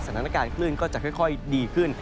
สถานการณ์คลื่นก็จะค่อยดีขึ้น